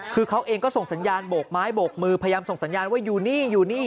คือเขาเองก็ส่งสัญญาณโบกไม้โบกมือพยายามส่งสัญญาณว่าอยู่นี่อยู่นี่